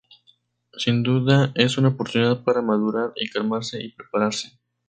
Sin duda es una oportunidad para madurar y calmarse y prepararse.